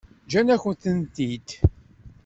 Ǧǧan-akent-tent-id?